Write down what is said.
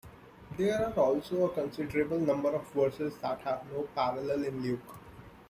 There are also a considerable number of verses that have no parallel in Luke.